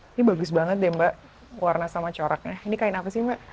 ini bagus banget deh mbak warna sama coraknya ini kain apa sih mbak